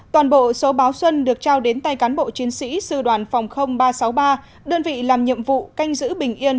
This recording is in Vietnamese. toàn bộ số báo xuân được trao đến tay cán bộ chiến sĩ sư đoàn phòng ba trăm sáu mươi ba đơn vị làm nhiệm vụ canh giữ bình yên